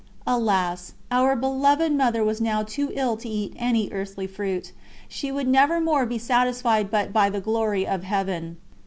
Alas! our beloved Mother was now too ill to eat any earthly fruit; she would never more be satisfied but by the glory of Heaven.